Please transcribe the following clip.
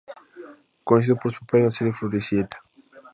Conocido por su papel en la serie Floricienta.